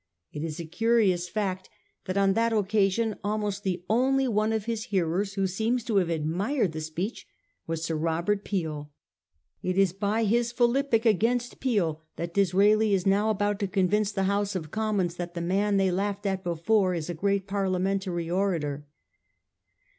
It is a curious fact that on 390 A HISTORY OF OUR OWN TIMES. cn. xt i. that occasion almost the only one of his hearers who seems to have admired the speech was Sir Robert Peel. It is by his philippic against Peel that Disraeli is now about to convince the House of Commons that the man they laughed at before is a great Parliamen tary orator.